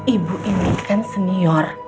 ibu ini kan senior